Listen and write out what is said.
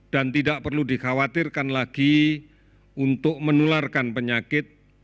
dan tidak perlu dikhawatirkan lagi untuk menularkan penyakit